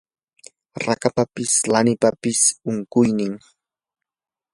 rakapapas lanipapas unquynin